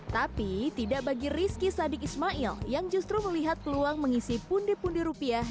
tapi tidak bagi rizky sadik ismail yang justru melihat peluang mengisi pundi pundi rupiah